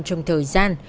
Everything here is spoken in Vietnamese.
trong thời gian